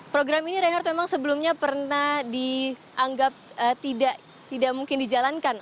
program ini reinhardt memang sebelumnya pernah dianggap tidak mungkin dijalankan